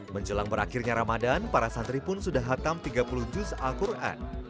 menjelang berakhirnya ramadan para santri pun sudah hatam tiga puluh juz al quran